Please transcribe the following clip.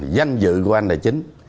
danh dự của anh là chính